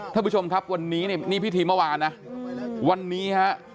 ท่านผู้ชมครับวันนี้เนี่ยนี่พิธีเมื่อวานนะวันนี้ฮะ